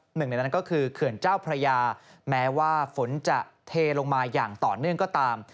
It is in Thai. หนึ่งในนั้นก็คือเขื่อนเจ้าพระยาแม้ว่าฝนจะเทลงมาอย่างต่อเนื่องก็ตาม